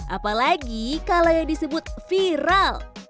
apalagi kalau yang disebut viral